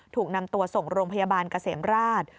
ถูกนำตัวส่งโรงพยาบาลเกษมราช